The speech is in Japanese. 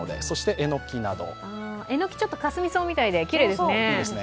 えのき、かすみ草みたいできれいですね。